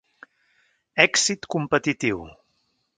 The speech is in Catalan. Èxit competitiu.